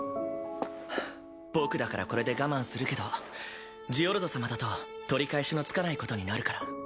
僕だからこれで我慢するけどジオルド様だと取り返しのつかないことになるから。